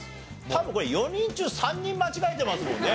これ４人中３人間違えてますもんね。